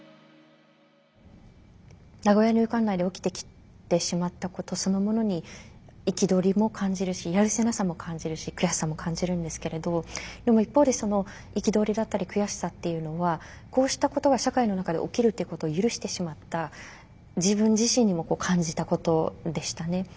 名古屋入管内で起きてきてしまったことそのものに憤りも感じるしやるせなさも感じるし悔しさも感じるんですけれどでも一方で憤りだったり悔しさっていうのはこうしたことが社会の中で起きるっていうことを許してしまった自分自身にも感じたことでしたね。